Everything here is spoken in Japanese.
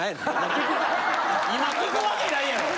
今聞くわけないやろ。